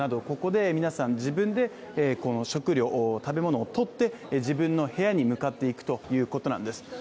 ここで皆さん自分で食料、食べ物をとって自分の部屋に向かっていくということなんです。